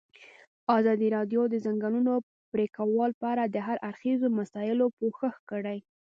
ازادي راډیو د د ځنګلونو پرېکول په اړه د هر اړخیزو مسایلو پوښښ کړی.